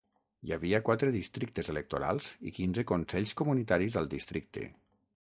Hi havia quatre districtes electorals i quinze consells comunitaris al districte.